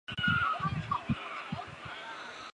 转向架并安装有轮缘润滑装置和踏面清扫装置。